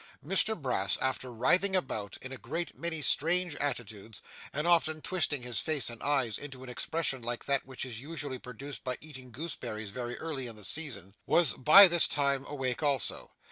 Mr Brass, after writhing about, in a great many strange attitudes, and often twisting his face and eyes into an expression like that which is usually produced by eating gooseberries very early in the season, was by this time awake also.